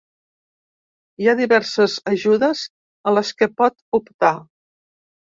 Hi ha diverses ajudes a les que pot optar.